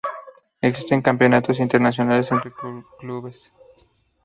Existen campeonatos internacionales entre clubes.